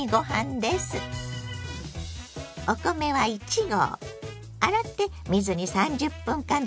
お米は１合。